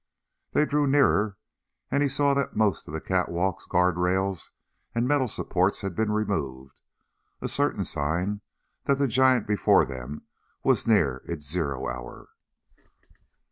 They drew nearer and he saw that most of the catwalks, guardrails and metal supports had been removed a certain sign that the giant before them was near its zero hour.